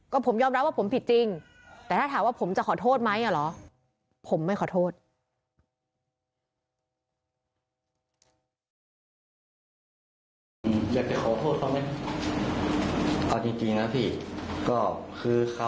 ก็ผมยอมรับว่าผมผิดจริงแต่ถ้าถามว่าผมจะขอโทษไหมอ่ะหรอ